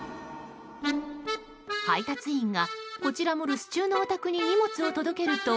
配達員がこちらも留守中のお宅に荷物を届けると